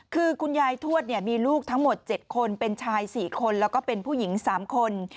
คือคุณยายทวดมีลูกทั้งหมด๗คนเป็นชาย๔คนแล้วก็เป็นผู้หญิง๓คน